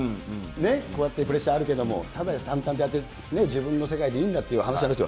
ね、こうやってプレッシャーあるけれども、ただ淡々とやって、自分の世界でいいんだという話ですよ。